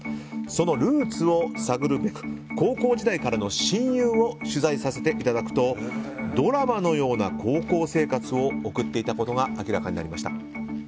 そのルーツを探るべく高校時代からの親友を取材させていただくとドラマのような高校生活を送っていたことが明らかになりました。